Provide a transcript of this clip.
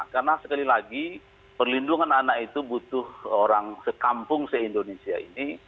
karena sekali lagi perlindungan anak itu butuh orang sekampung se indonesia ini